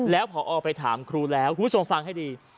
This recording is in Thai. แล้วพอไปถามครูแล้วคุณผู้ชมฟังให้ดี